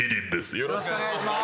よろしくお願いします